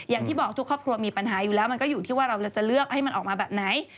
อย่างที่บอกทุกครอบครัวมีปัญหาอยู่แล้วมันก็อยู่ที่ว่าเราจะเลือกให้มันออกมาแบบไหน